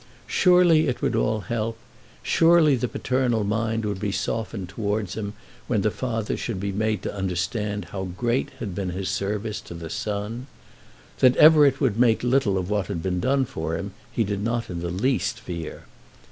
Surely it would all help. Surely the paternal mind would be softened towards him when the father should be made to understand how great had been his service to the son. That Everett would make little of what had been done for him he did not in the least fear.